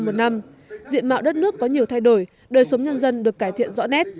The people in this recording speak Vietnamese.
một năm diện mạo đất nước có nhiều thay đổi đời sống nhân dân được cải thiện rõ nét